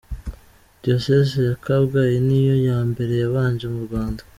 Diocese ya Kabgayi niyo ya mbere yabanje mu Rwanda.